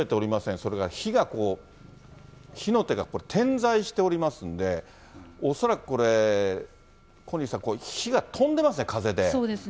それから火が、火の手が点在しておりますんで、恐らくこれ、小西さん、そうですね。